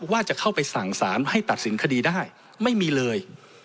ว่าจะเข้าไปสั่งสารให้ตัดสินคดีได้ไม่มีเลย